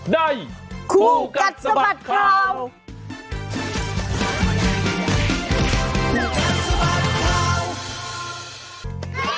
ได้ครูกัดสมัติครอบ